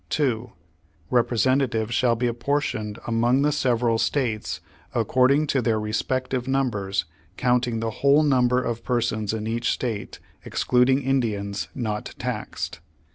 2. Representatives shall be apportioned among the sev eral States according to their respective numbers, counting the whole number of persons in each State, excluding Indians not taxed.